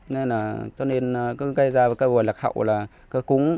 nên là cho nên gây ra cơ hội lạc hậu là cơ cúng